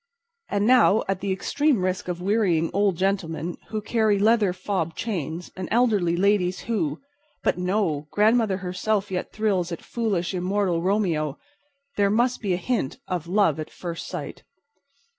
And now at the extreme risk of wearying old gentlemen who carry leather fob chains, and elderly ladies who—but no! grandmother herself yet thrills at foolish, immortal Romeo—there must be a hint of love at first sight.